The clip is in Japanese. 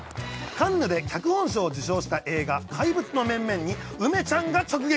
カンヌで脚本賞を受賞した映画、怪物の面々に梅ちゃんが直撃。